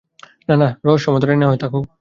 না-দেখার রহস্যময়তাটাই না হয় থাকুক।